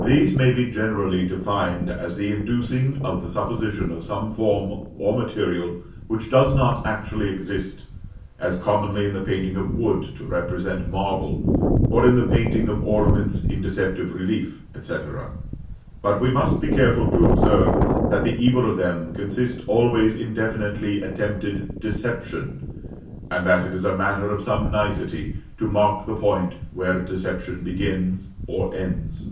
These may be generally defined as the inducing the supposition of some form or material which does not actually exist; as commonly in the painting of wood to represent marble, or in the painting of ornaments in deceptive relief, &c. But we must be careful to observe, that the evil of them consists always in definitely attempted deception, and that it is a matter of some nicety to mark the point where deception begins or ends.